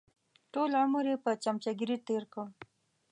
ټول عمر یې په چمچهګیري تېر کړ.